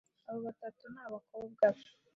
Abo batatu ni abakobwa be .